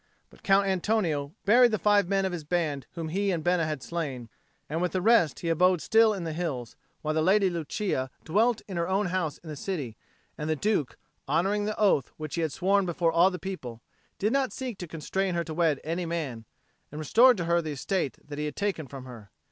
But Count Antonio buried the five men of his band whom he and Bena had slain, and with the rest he abode still in the hills, while the Lady Lucia dwelt in her own house in the city; and the Duke, honouring the oath which he had sworn before all the people, did not seek to constrain her to wed any man, and restored to her the estate that he had taken from her.